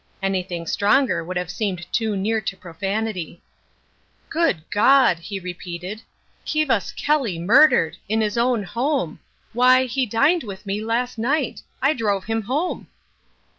Anything stronger would have seemed too near to profanity. "Good God!" he repeated, "Kivas Kelly murdered! In his own home! Why, he dined with me last night! I drove him home!"